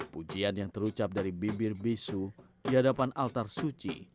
pujian yang terucap dari bibir bisu di hadapan altar suci